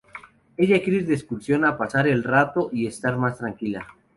Ella quiere ir de excursión y pasar el rato y estar más tranquila.